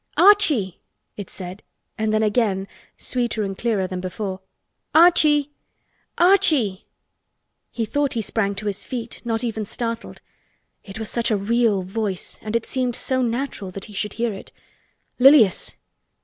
Archie!" it said, and then again, sweeter and clearer than before, "Archie! Archie!" He thought he sprang to his feet not even startled. It was such a real voice and it seemed so natural that he should hear it. "Lilias!